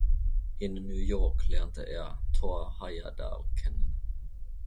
In New York lernte er Thor Heyerdahl kennen.